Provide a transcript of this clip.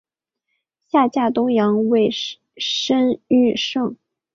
下嫁东阳尉申翊圣。